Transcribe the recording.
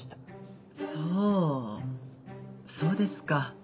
そうそうですか。